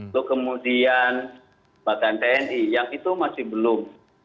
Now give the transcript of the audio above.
lalu kemudian bahkan tni yang itu masih belum